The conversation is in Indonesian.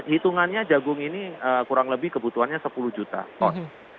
hitungannya jagung ini kurang lebih kebutuhannya sepuluh juta ton